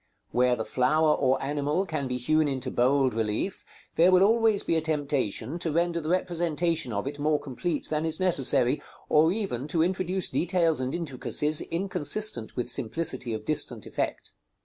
Where the flower or animal can be hewn into bold relief, there will always be a temptation to render the representation of it more complete than is necessary, or even to introduce details and intricacies inconsistent with simplicity of distant effect.